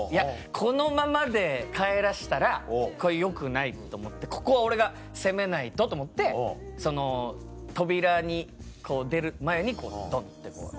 このままで帰らしたらこれよくないと思ってここは俺が攻めないとと思って扉出る前にドンってこう。